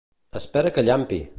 Espera que llampi!